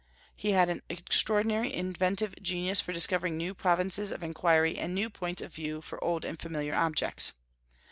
He had an extraordinary inventive genius for discovering new provinces of inquiry and new points of view for old and familiar objects.